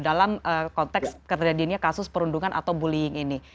dalam konteks kejadiannya kasus perundungan atau bullying ini